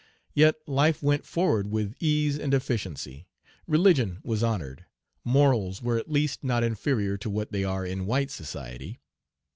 Yet life went forward with ease and efficiency. Religion was honored. Morals were at least not inferior to what they are in white society.